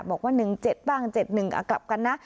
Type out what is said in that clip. บอกว่าหนึ่งเจ็ดบ้างเจ็ดหนึ่งอ่ะกลับกันนะ